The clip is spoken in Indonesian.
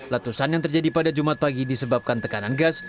letusan yang terjadi pada jumat pagi disebabkan tekanan gas